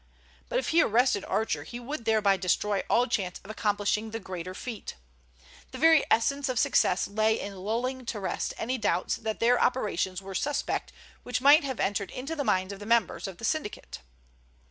But if he arrested Archer he would thereby destroy all chance of accomplishing the greater feat. The very essence of success lay in lulling to rest any doubts that their operations were suspect which might have entered into the minds of the members of the syndicate.